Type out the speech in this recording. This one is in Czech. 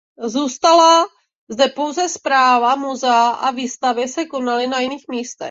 Zůstala zde pouze správa muzea a výstavy se konaly na jiných místech.